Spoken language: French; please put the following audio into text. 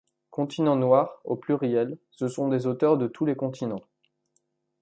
Continents noirs - au pluriel - ce sont des auteurs de tous les continents.